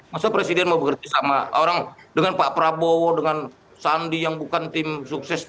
masa presiden mau bekerja sama orang dengan pak prabowo dengan sandi yang bukan tim sukses